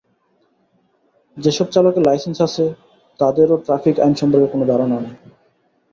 যেসব চালকের লাইসেন্স আছে, তাঁদেরও ট্রাফিক আইন সম্পর্কে কোনো ধারণা নেই।